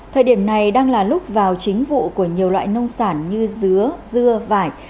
thời điểm này đang là lúc vào chính vụ của nhiều loại nông sản như dứa dưa vải